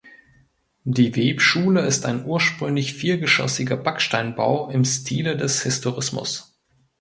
Die Webschule ist ein ursprünglich viergeschossiger Backsteinbau im Stile des Historismus.